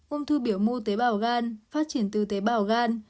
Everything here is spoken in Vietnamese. ung thư biểu mô tế bào gan phát triển từ tế bào gan